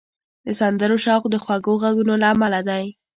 د سندرو شوق د خوږو غږونو له امله دی